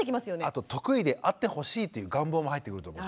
あと得意であってほしいという願望も入ってくると思います。